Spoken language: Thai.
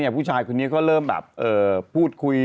ผู้ชายคนนี้ก็เริ่มแบบพูดคุย